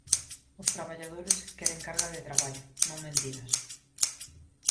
Os traballadores queren carga de traballo, non mentiras.